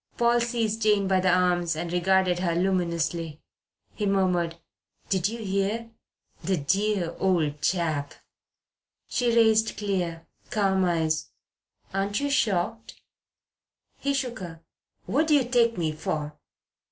Paul seized Jane by the arms and regarded her luminously. He murmured: "Did you hear? The dear old chap!" She raised clear, calm eyes. "Aren't you shocked?" He shook her. "What do you take me for?"